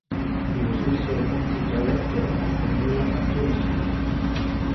He was also appointed director of Molla Abdollah School.